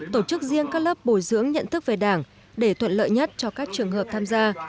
tổ chức riêng các lớp bồi dưỡng nhận thức về đảng để thuận lợi nhất cho các trường hợp tham gia